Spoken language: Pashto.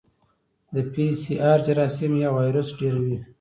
د پی سي ار جراثیم یا وایرس ډېروي.